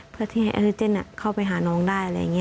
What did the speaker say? เพื่อที่ให้ออกซิเจนเข้าไปหาน้องได้อะไรอย่างนี้